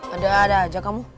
ada ada aja kamu